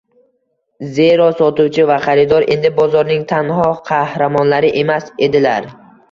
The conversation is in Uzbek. Zero sotuvchi va xaridor endi bozorning tanho qahramonlari emas edilar –